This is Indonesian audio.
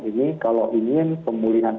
ini kalau ingin pemulihan